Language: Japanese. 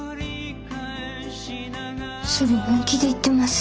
それ本気で言ってます？